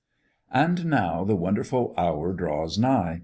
And now the wonderful hour draws nigh.